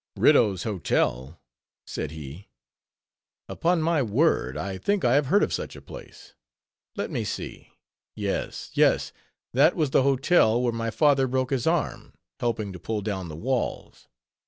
"Riddough's Hotel?" said he, "upon my word, I think I have heard of such a place; let me see—yes, yes—that was the hotel where my father broke his arm, helping to pull down the walls.